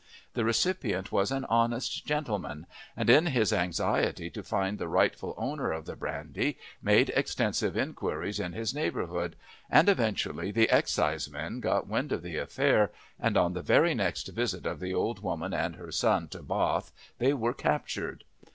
The recipient was an honest gentleman, and in his anxiety to find the rightful owner of the brandy made extensive inquiries in his neighbourhood, and eventually the excisemen got wind of the affair, and on the very next visit of the old woman and her son to Bath they were captured.